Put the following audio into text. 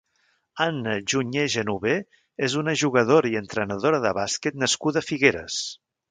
Anna Junyer Genover és una jugadora i entrenador de bàsquet nascuda a Figueres.